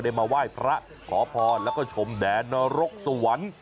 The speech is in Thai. มาไหว้พระขอพรแล้วก็ชมแดนรกสวรรค์